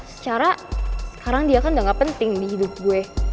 secara sekarang dia kan udah gak penting di hidup gue